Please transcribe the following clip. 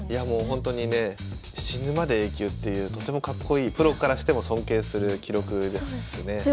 もうほんとにね死ぬまでＡ級っていうとてもかっこいいプロからしても尊敬する記録ですね。